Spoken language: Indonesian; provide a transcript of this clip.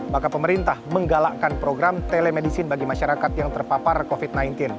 maka pemerintah menggalakkan program telemedicine bagi masyarakat yang terpapar covid sembilan belas